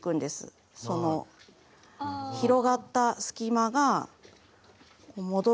その広がった隙間が戻る。